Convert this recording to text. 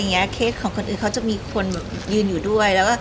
แครกอื่นต้องมีคนอยู่ด้วย